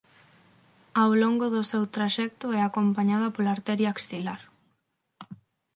Ao longo do seu traxecto é acompañada pola arteria axilar.